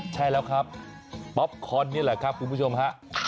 ใช่แล้วครับป๊อปคอนนี่แหละครับคุณผู้ชมฮะ